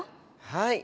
はい。